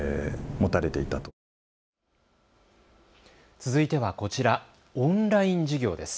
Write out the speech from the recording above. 続いてはこちら、オンライン授業です。